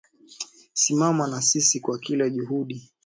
Simama na sisi kwa kila juhudi.